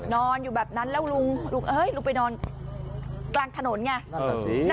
นอนอยู่แบบนั้นแล้วลุงไปนอนกลางถนนเนี่ย